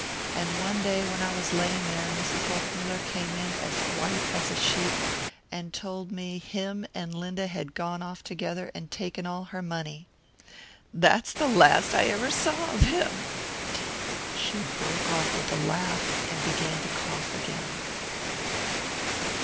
And one day when I was laying there Mrs. Hochmuller came in as white as a sheet, and told me him and Linda had gone off together and taken all her money. That's the last I ever saw of him." She broke off with a laugh and began to cough again.